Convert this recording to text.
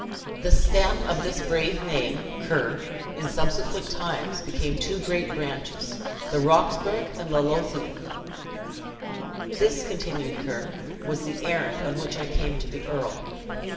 The stem of this brave name, in subsequent times, became two great branches, the Roxburghe and the Lothian. "This," continued Ker, "was the errand on which I came to the earl.